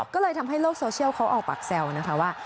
ก็เลยทำให้โลกโซเชียลเขาออกปากแซวนะคะว่า